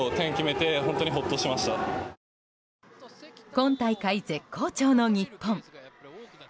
今大会絶好調の日本。